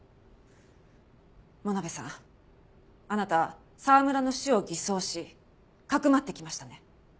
物部さんあなた沢村の死を偽装しかくまってきましたね？